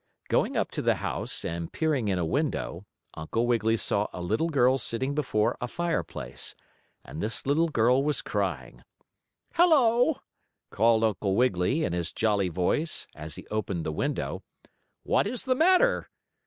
Going up to the house, and peering in a window, Uncle Wiggily saw a little girl sitting before a fireplace. And this little girl was crying. "Hello!" called Uncle Wiggily, in his jolly voice, as he opened the window. "What is the matter?